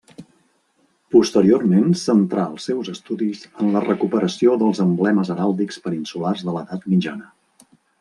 Posteriorment centrà els seus estudis en la recuperació dels emblemes heràldics peninsulars de l'edat mitjana.